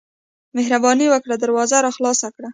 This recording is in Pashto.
مهرباني وکړه دروازه راخلاصه کړه.